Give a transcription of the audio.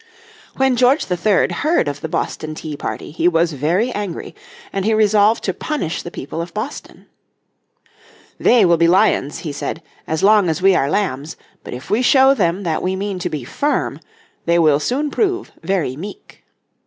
When George III heard of the Boston Tea Party he was very angry, and he resolved to punish the people of Boston. "They will be lions," he said, "as long as we are lambs, but if we show them that we mean to be firm they will soon prove very meek."